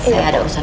saya ada urusan